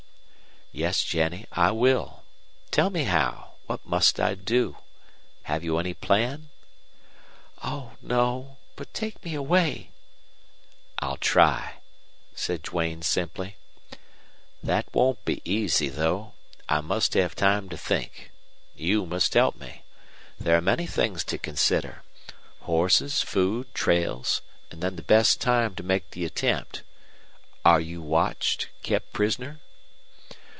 "Yes, Jennie, I will. Tell me how. What must I do? Have you any plan?" "Oh no. But take me away." "I'll try," said Duane, simply. "That won't be easy, though. I must have time to think. You must help me. There are many things to consider. Horses, food, trails, and then the best time to make the attempt. Are you watched kept prisoner?"